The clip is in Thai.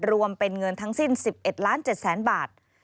รวมเป็นเงินทั้งสิ้น๑๑๗๐๐๐๐๐บาท